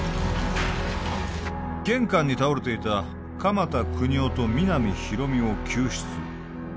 玄関に倒れていた鎌田國士と皆実広見を救出